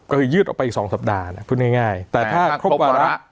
ก็คือยืดออกไปอีก๒สัปดาห์พูดง่ายแต่ถ้าครบวาระ